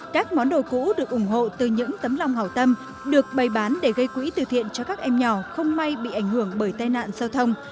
các món đồ cũ được ủng hộ từ những tấm lòng hảo tâm được bày bán để gây quỹ từ thiện cho các em nhỏ không may bị ảnh hưởng bởi tai nạn giao thông